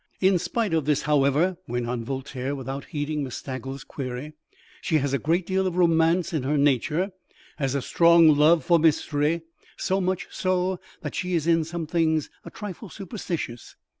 "In spite of this, however," went on Voltaire without heeding Miss Staggles' query, "she has a great deal of romance in her nature; has a strong love for mystery, so much so that she is in some things a trifle superstitious."